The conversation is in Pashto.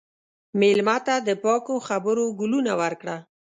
مېلمه ته د پاکو خبرو ګلونه ورکړه.